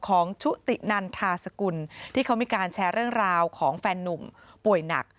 ชุตินันทาสกุลที่เขามีการแชร์เรื่องราวของแฟนนุ่มป่วยหนัก